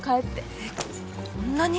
えっこんなに。